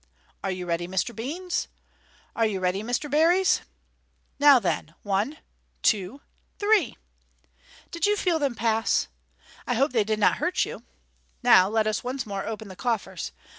Are you ready, Mr. Beans ? Are you ready, Mr. Berries ? Now, then, One \ two ! three !!/ Did you feel them pass ? I hope they did not hurt you. Now let us once more open the coffers.